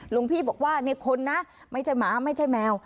หลวงพี่บอกว่าในคนนะไม่ใช่หมาไม่ใช่แมว